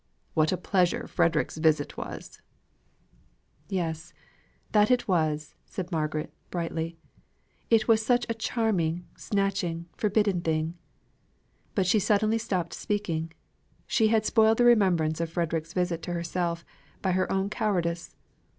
What a pleasure Frederick's visit was!" "Yes, that it was," said Margaret, brightly. "It was such a charming, snatched, forbidden thing." But she suddenly stopped speaking. She had spoiled the remembrance of Frederick's visit to herself by her own cowardice.